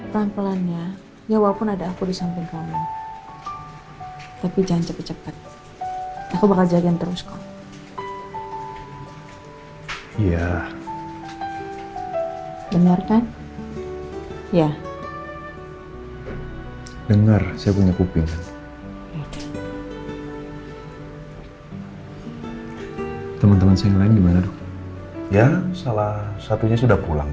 kami akan membawa pak alebaran ke ruang pemeriksaan dulu